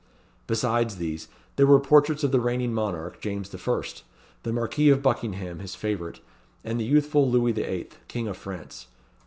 Besides these, there were portraits of the reigning monarch, James the First; the Marquis of Buckingham, his favourite; and the youthful Louis XIII., king of France.